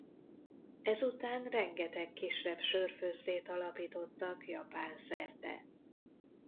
Ezután rengeteg kisebb sörfőzdét alapítottak Japán szerte.